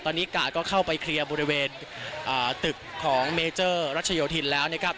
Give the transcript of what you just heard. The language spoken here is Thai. ตอนนี้กาแก่ก็เข้าไปเคลียร์บริเวณอ่าตึกของระยะญอถิ่นแล้วนะครับ